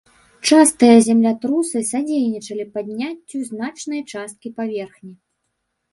Частыя землятрусы садзейнічалі падняццю значнай часткі паверхні.